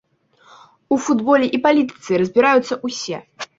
У футболе і палітыцы разбіраюцца ўсе.